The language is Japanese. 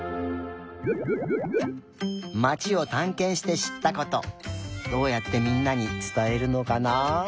まちをたんけんしてしったことどうやってみんなにつたえるのかな？